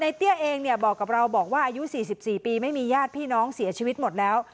เตี้ยเองเนี่ยบอกกับเราบอกว่าอายุ๔๔ปีไม่มีญาติพี่น้องเสียชีวิตหมดแล้ว